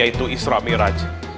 yaitu isra' miraj